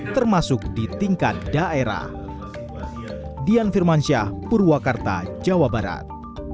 termasuk di tingkat daerah